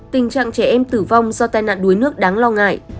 tình trạng trẻ em tử vong do tai nạn đuối nước đáng lo ngại